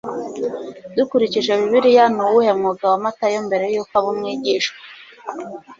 Dukurikije Bibiliya Ni uwuhe mwuga wa Matayo mbere yuko aba umwigishwa